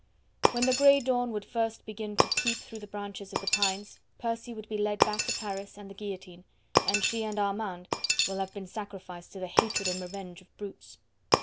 When the grey dawn would first begin to peep through the branches of the pines Percy would be led back to Paris and the guillotine, and she and Armand will have been sacrificed to the hatred and revenge of brutes.